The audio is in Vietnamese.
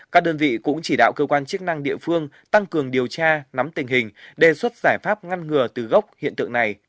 các đơn vị cũng chỉ đạo cơ quan chức năng địa phương tăng cường điều tra nắm tình hình đề xuất giải pháp ngăn ngừa từ gốc hiện tượng này